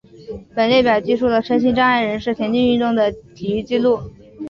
本列表记述了身心障碍人士田径运动的体育纪录。